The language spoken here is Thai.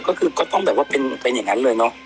ก็คือก็ต้องแบบว่าเป็นอย่างนั้นเลยเนอะ